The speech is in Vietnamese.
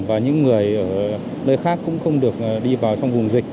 và những người ở nơi khác cũng không được đi vào trong vùng dịch